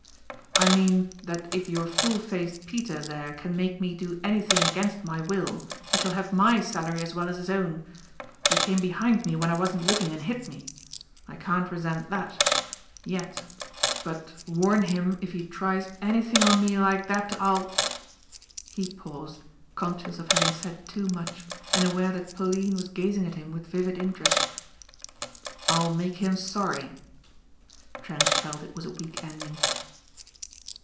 "I mean that if your fool faced Peter there can make me do anything against my will he shall have my salary as well as his own. You came behind me when I wasn't looking and hit me. I can't resent that yet, but warn him if he tries anything on me like that I'll " He paused conscious of having said too much and aware that Pauline was gazing at him with vivid interest. "I'll make him sorry." Trent felt it was a weak ending.